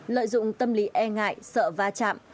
lợi dụng tâm lý e ngại sợ va chạm